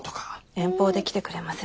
遠方で来てくれません。